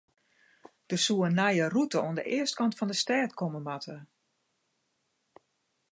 Der soe in nije rûte oan de eastkant fan de stêd komme moatte.